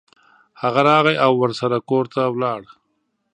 هغه راغی او ورسره کور ته ولاړو.